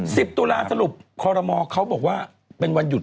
ตุลาสรุปคอรมอเขาบอกว่าเป็นวันหยุด